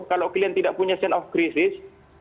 kalau kalian tidak punya scene of krisis